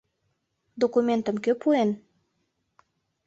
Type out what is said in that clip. — Документым кӧ пуэн?